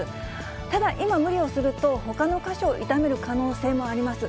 ただ、今、無理をすると、ほかの箇所を痛める可能性もあります。